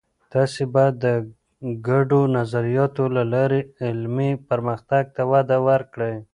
تاسې باید د ګډو نظریاتو له لارې علمي پرمختګ ته وده ورکړئ.